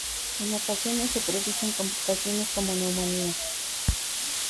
En ocasiones se producen complicaciones como neumonía.